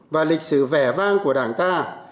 và lịch sử vẻ vang của đảng ta